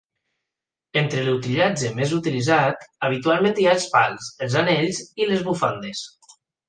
Entre l'utillatge més utilitzat habitualment hi ha els pals, els anells i les bufandes.